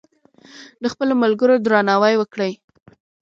د خپلو ملګرو درناوی وکړئ.